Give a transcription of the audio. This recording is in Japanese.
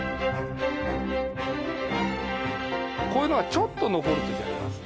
こういうのはちょっと残る時あります。